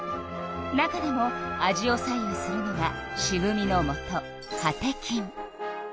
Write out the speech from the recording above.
中でも味を左右するのがしぶみのもとカテキン。